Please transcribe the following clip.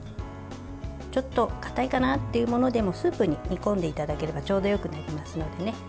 ちょっと硬いかなっていうものでもスープに煮込んでいただければちょうどよくなりますのでね。